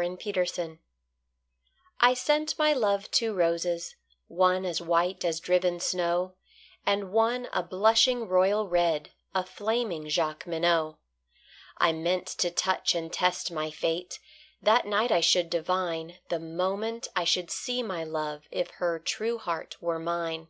The White Flag I sent my love two roses, one As white as driven snow, And one a blushing royal red, A flaming Jacqueminot. I meant to touch and test my fate; That night I should divine, The moment I should see my love, If her true heart were mine.